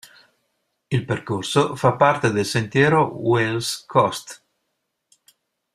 Il percorso fa parte del sentiero Wales Coast.